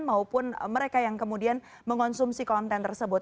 maupun mereka yang kemudian mengonsumsi konten tersebut